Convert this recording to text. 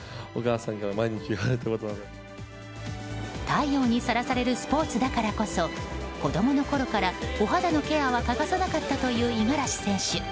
太陽にさらされるスポーツだからこそ子供のころからお肌のケアは欠かさなかったという五十嵐選手。